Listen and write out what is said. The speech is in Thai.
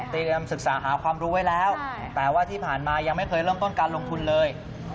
ศึกษาหาความรู้ไว้แล้วแต่ว่าที่ผ่านมายังไม่เคยเริ่มต้นการลงทุนเลย